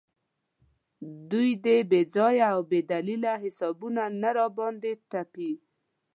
دوی دې بې ځایه او بې دلیله حسابونه نه راباندې تپي.